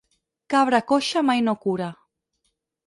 Cabra coixa mai no cura.